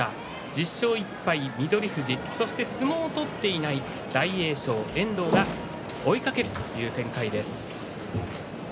１０勝１敗翠富士相撲を取っていない大栄翔、遠藤が追いかけるという展開です。